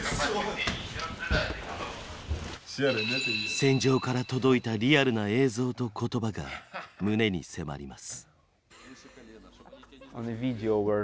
戦場から届いたリアルな映像と言葉が胸に迫ります。